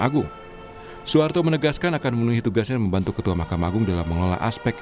agung suharto menegaskan akan menuhi tugasnya membantu ketua mahkamah agung dalam mengelola aspek